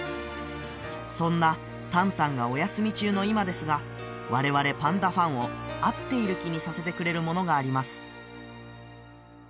そんな旦旦がお休み中の今ですが我々パンダファンを会っている気にさせてくれるものがあります＃